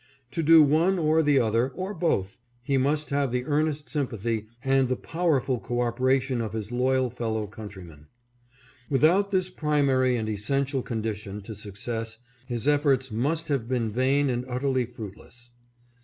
To do one or the other, or both, he must have the earnest sympathy and the power erf ul cooperation of his loyal fellow countrymen. With out this primary and essential condition to success his efforts must have been vain and utterly fruitless.